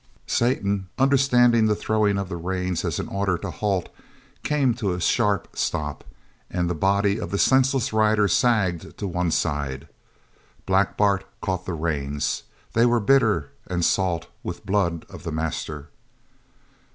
Satan, understanding the throwing of the reins as an order to halt, came to a sharp stop, and the body of the senseless rider sagged to one side. Black Bart caught the reins. They were bitter and salt with blood of the master.